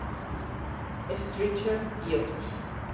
H. Streeter y otros.